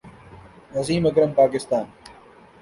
Wasim Akram Pakistan